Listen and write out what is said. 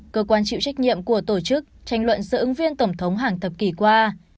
cơ quan chịu trách nhiệm của tổ chức tranh luận giữa ứng viên tổng thống hàng thập kỷ qua